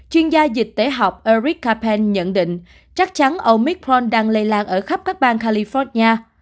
chuyên gia dịch tế học eric kappen nhận định chắc chắn omicron đang lây lan ở khắp các bang california